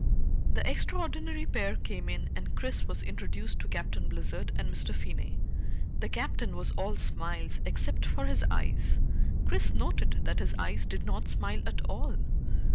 The extraordinary pair came in and Chris was introduced to Captain Blizzard and Mr. Finney. The Captain was all smiles except for his eyes; Chris noted that his eyes did not smile at all.